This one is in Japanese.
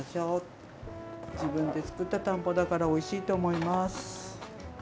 自分で作ったたんぽだからおいしいと思います。